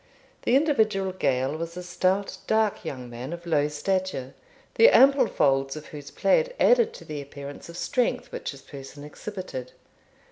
The individual Gael was a stout, dark, young man, of low stature, the ample folds of whose plaid added to the appearance of strength which his person exhibited.